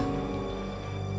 ini demi kebaikan kita berdua